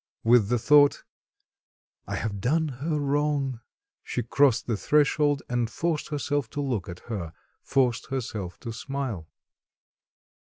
With the thought, "I have done her wrong," she crossed the threshold and forced herself to look at her, forced herself to smile.